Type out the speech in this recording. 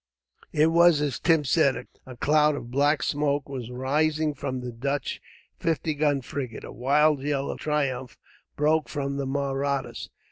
It was as Tim said. A cloud of black smoke was rising from the Dutch fifty gun frigate. A wild yell of triumph broke from the Mahrattas.